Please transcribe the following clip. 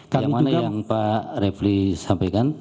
yang mana yang pak refli sampaikan